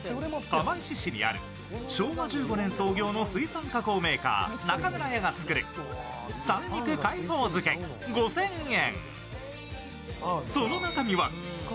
釜石市にある昭和１５年創業の水産加工メーカー、中村家が作る三陸海宝漬、５０００円。